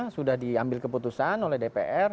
sudah diambil keputusan oleh dpr